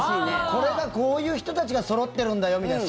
これが、こういう人たちがそろってるんだよみたいな。